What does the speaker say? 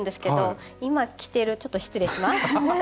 今着てるちょっと失礼します。